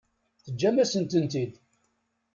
Teǧǧam-asent-tent-id.